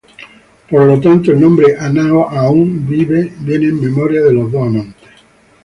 Por lo tanto, el nombre Anao-Aón viene en memoria de los dos amantes.